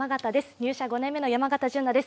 入社５年目の山形純菜です。